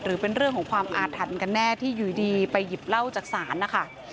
หรือเป็นเรื่องของความอาถรรพ์กันแน่ที่อยู่ดีไปหยิบเหล้าจากศาลนะคะ